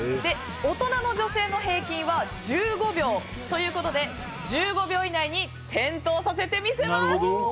大人の女性の平均は１５秒ということで１５秒以内に点灯させてみせます。